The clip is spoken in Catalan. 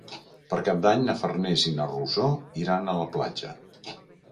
Per Cap d'Any na Farners i na Rosó iran a la platja.